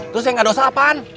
terus yang gak dosa apaan